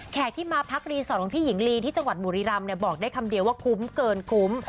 ที่มาพักรีสอร์ทของพี่หญิงลีที่จังหวัดบุรีรำบอกได้คำเดียวว่าคุ้มเกินคุ้ม